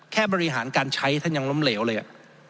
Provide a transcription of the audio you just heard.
บริหารการใช้ท่านยังล้มเหลวเลยอ่ะ